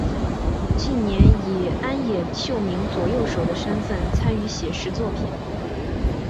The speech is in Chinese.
近年以庵野秀明左右手的身份参与写实作品。